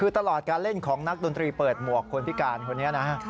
คือตลอดการเล่นของนักดนตรีเปิดหมวกคนพิการคนนี้นะฮะ